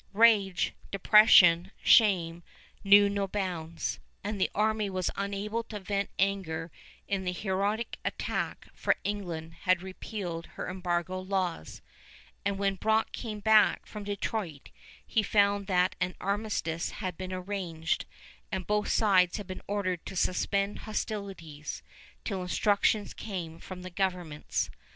Rage, depression, shame, knew no bounds; and the army was unable to vent anger in heroic attack, for England had repealed her embargo laws, and when Brock came back from Detroit he found that an armistice had been arranged, and both sides had been ordered to suspend hostilities till instructions came from the governments.